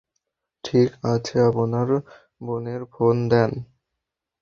ঠিক আছে, আপনার বোনের ফোন দেন।